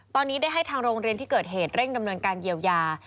ตอนนี้ได้ให้ทางโรงเรียนที่เกิดเหตุเร่งดำเนินการเยียวยา